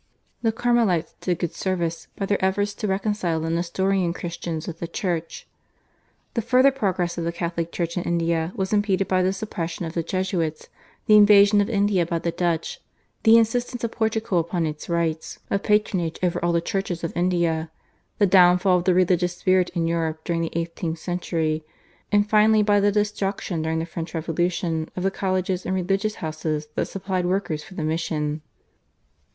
The Carmelites did good service by their efforts to reconcile the Nestorian Christians with the Church. The further progress of the Catholic Church in India was impeded by the suppression of the Jesuits, the invasion of India by the Dutch, the insistence of Portugal upon its rights of patronage over all the churches of India, the downfall of the religious spirit in Europe during the eighteenth century, and finally by the destruction during the French Revolution of the colleges and religious houses that supplied workers for the mission.